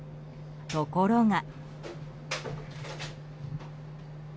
ところが。